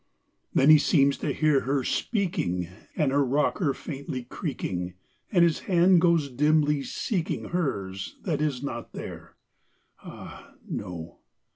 Then he seems to hear her speaking, And her rocker faintly creaking, And his hand goes dimly seeking Hers that is not there, ah, no!